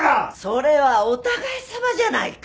それはお互いさまじゃないか？